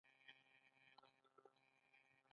د روماتیزم لپاره کوم چای وڅښم؟